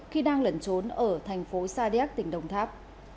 khi đang lẩn trốn ở thành phố sa điác tỉnh đồng tháp